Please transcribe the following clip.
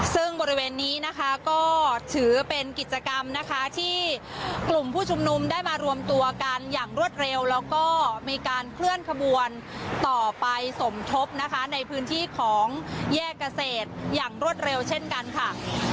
ซึ่งบริเวณนี้นะคะก็ถือเป็นกิจกรรมนะคะที่กลุ่มผู้ชุมนุมได้มารวมตัวกันอย่างรวดเร็วแล้วก็มีการเคลื่อนขบวนต่อไปสมทบนะคะในพื้นที่ของแยกเกษตรอย่างรวดเร็วเช่นกันค่ะ